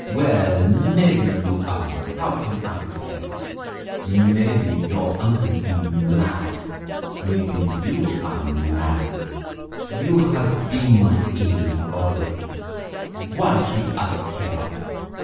'Well, maybe you are how can I tell? Maybe your uncle is mad maybe you are mad. You have been my enemy always why should I care?'